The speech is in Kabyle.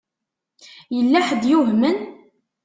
Yella ḥedd yuhmen?